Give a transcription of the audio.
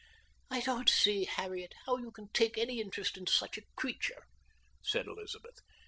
"I don't see, Harriet, how you can take any interest in such a creature," said Elizabeth.